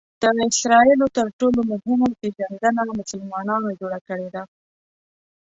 د اسراییلو تر ټولو مهمه پېژندنه مسلمانانو جوړه کړې ده.